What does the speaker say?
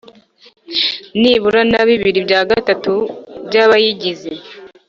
Nibura na bibiri bya gatatu by abayigize